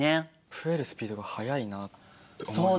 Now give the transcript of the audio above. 増えるスピードが速いなって思います。